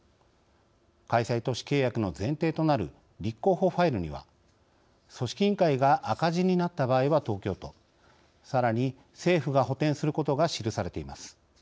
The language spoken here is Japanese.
開催都市契約の前提となる立候補ファイルには組織委員会が赤字になった場合は東京都、さらに政府が補てんすることが記されています。